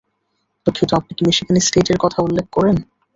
দুঃখিত, আপনি কি মিশিগান স্ট্যাটের কথা উল্লেখ করলেন?